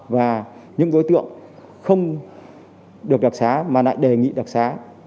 và những đối tượng không được đặc sá mà lại đề nghị đặc sá